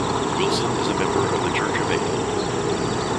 Wilson is a member of Church of England.